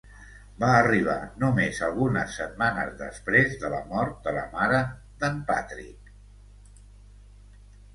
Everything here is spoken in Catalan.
Va arribar només algunes setmanes després de la mort de la mare d'en Patrick.